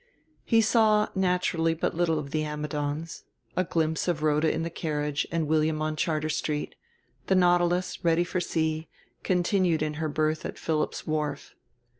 He saw, naturally, but little of the Ammidons a glimpse of Rhoda in the carriage and William on Charter Street; the Nautilus, ready for sea, continued in her berth at Phillips' Wharf.